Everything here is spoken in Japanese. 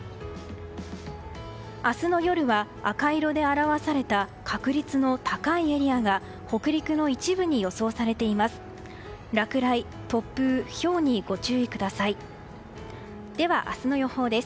明日の夜は赤色で表された確率の高いエリアが北陸の一部に予想されています。